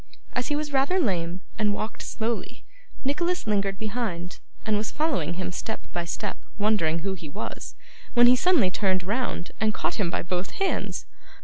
As he was rather lame, and walked slowly, Nicholas lingered behind, and was following him step by step, wondering who he was, when he suddenly turned round and caught him by both hands.